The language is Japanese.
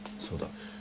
そうだ。